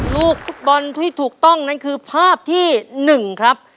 ลูกฟุตบอลที่ถูกต้องนั่นคือภาพที่๑ครับ